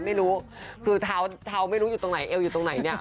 ไม่รู้คือเท้าไม่รู้อยู่ตรงไหนเอวอยู่ตรงไหนเนี่ย